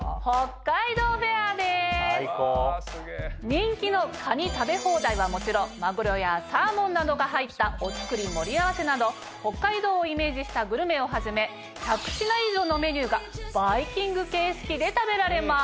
人気のかに食べ放題はもちろんマグロやサーモンなどが入ったお造り盛り合わせなど北海道をイメージしたグルメをはじめ１００品以上のメニューがバイキング形式で食べられます。